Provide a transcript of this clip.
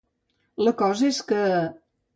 La cosa és que.